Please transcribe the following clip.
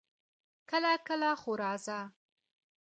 کله کله خو راځه!